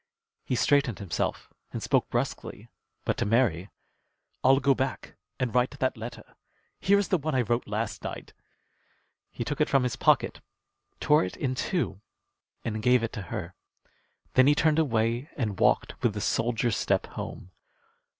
He straightened himself and spoke brusquely, but to Mary: "I'll go back and write that letter. Here is the one I wrote last night." He took it from his pocket, tore it in two, and gave it to her. Then he turned away and walked with the soldier's step home.